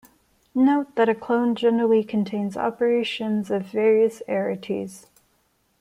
Note that a clone generally contains operations of various arities.